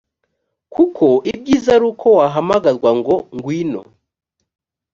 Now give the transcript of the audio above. kuko ibyiza ari uko wahamagarwa ngo ngwino